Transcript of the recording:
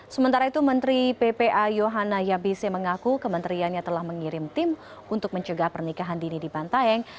sementara itu menteri ppa yohana yabise mengaku kementeriannya telah mengirim tim untuk mencegah pernikahan dini di bantaeng